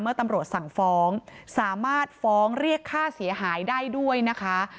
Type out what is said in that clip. ตำรวจสั่งฟ้องสามารถฟ้องเรียกค่าเสียหายได้ด้วยนะคะ